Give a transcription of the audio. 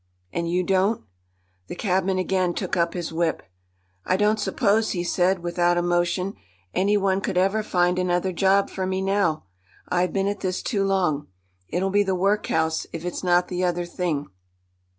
"And you don't?" The cabman again took up his whip. "I don't suppose," he said without emotion, "any one could ever find another job for me now. I've been at this too long. It'll be the workhouse, if it's not the other thing."